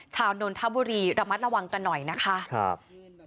นนทบุรีระมัดระวังกันหน่อยนะคะครับ